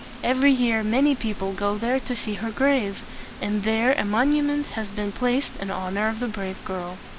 Every year many people go there to see her grave; and there a mon u ment has been placed in honor of the brave girl.